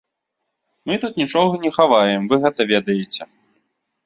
Мы тут нічога не хаваем, вы гэта ведаеце.